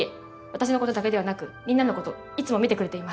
私の事だけではなくみんなの事いつも見てくれています。